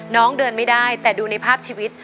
น้องเดินไม่ได้แต่ดูในภาพชีวิต